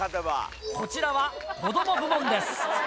こちらは子ども部門です。